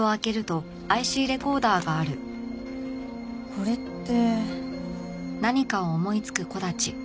これって。